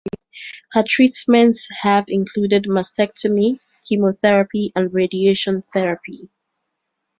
Her treatments have included mastectomy, chemotherapy and radiation therapy.